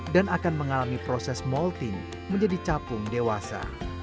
dan akan mengalami proses molting menjadi capung dewasa